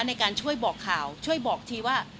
ในการช่วยบอกข่าวช่วยบอกทีว่า